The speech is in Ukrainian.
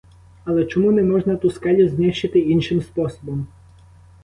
Але чому не можна ту скелю знищити іншим способом?